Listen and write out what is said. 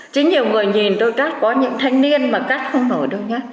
chứ nhiều người nhìn tôi cắt có những thanh niên mà cắt không nổi đâu nhá